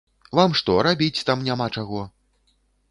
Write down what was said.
Вам што, рабіць там няма чаго?